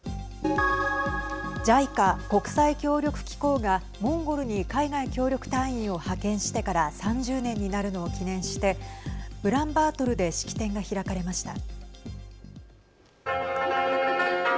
ＪＩＣＡ＝国際協力機構がモンゴルに海外協力隊員を派遣してから３０年になるのを記念してウランバートルで式典が開かれました。